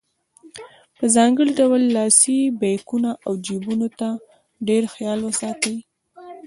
په ځانګړي ډول لاسي بیکونو او جیبونو ته ډېر خیال وساتئ.